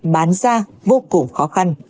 bán ra vô cùng khó khăn